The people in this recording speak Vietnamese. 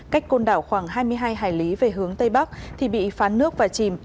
cách côn đảo khoảng hai mươi hai hải lý về hướng tây bắc thì bị phán nước và chìm